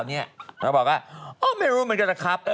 เขาบอกว่าไม่รู้เหมือนกันนะครับ